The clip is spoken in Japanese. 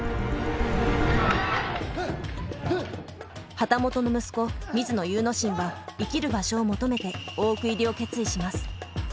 旗本の息子水野祐之進は生きる場所を求めて大奥入りを決意します。